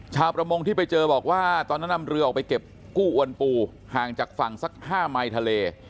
ชาวประมงที่ไปเจอบอกว่าตอนนั้นนำเรือออกไปเก็บกู้อวนปูห่างจากฝั่งสัก๕ไมค์ทะเล